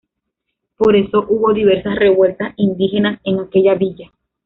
Por eso, hubo diversas revueltas indígenas en aquella villa.